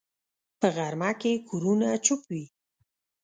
په غرمه کې کورونه چوپ وي